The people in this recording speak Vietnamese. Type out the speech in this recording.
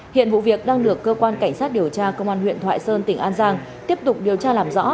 hiện vụ việc đang được cơ quan cảnh sát điều tra công an huyện thoại sơn tỉnh an giang tiếp tục điều tra làm rõ